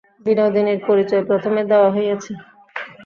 বিনোদিনীর পরিচয় প্রথমেই দেওয়া হইয়াছে।